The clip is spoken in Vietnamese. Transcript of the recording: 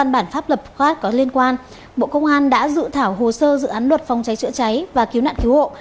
bộ công an đã dự thảo hồ sơ dự án luật phòng cháy chữa cháy và cứu nạn cứu hộ